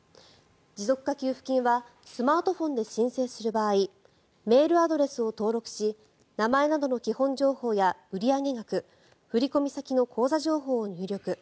持続化給付金はスマートフォンで申請する場合メールアドレスを登録し名前などの基本情報や売上額振込先の口座情報を入力。